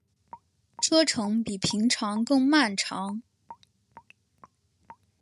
车程比平常更漫长